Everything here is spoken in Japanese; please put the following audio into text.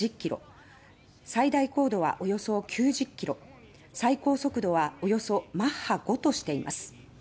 最大高度はおよそ９０ｋｍ最高速度はおよそマッハ５としています。